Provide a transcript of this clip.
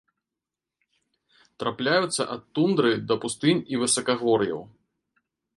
Трапляюцца ад тундры да пустынь і высакагор'яў.